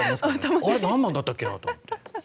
あれ、何番だったっけ？って思って。